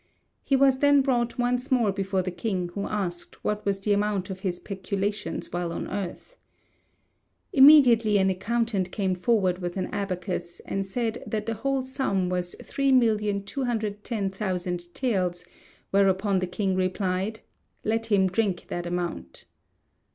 He was then brought once more before the king, who asked what was the amount of his peculations while on earth. Immediately an accountant came forward with an abacus, and said that the whole sum was 3,210,000 taels, whereupon the king replied, "Let him drink that amount."